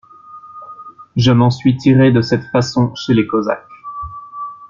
Je m'en suis tiré de cette façon chez les Cosaques.